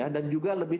dan juga lebih